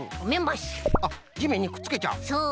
あっじめんにくっつけちゃう？